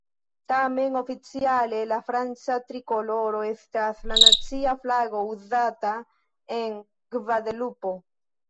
Tamen, oficiale la franca trikoloro estas la nacia flago uzata en Gvadelupo.